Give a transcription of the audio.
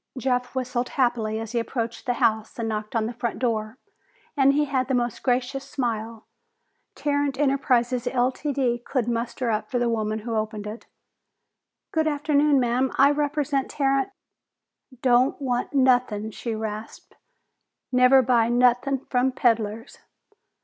Jeff whistled happily as he approached the house and knocked on the front door, and he had the most gracious smile Tarrant Enterprises, Ltd., could muster up for the woman who opened it. "Good afternoon, ma'am. I represent Tarrant " "Don't want nothin'!" she rasped. "Never buy nothin' from peddlers!"